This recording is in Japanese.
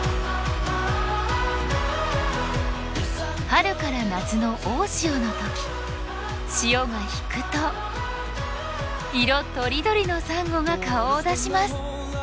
春から夏の大潮の時潮が引くと色とりどりのサンゴが顔を出します。